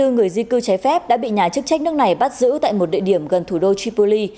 một trăm hai mươi bốn người di cư trái phép đã bị nhà chức trách nước này bắt giữ tại một địa điểm gần thủ đô tripoli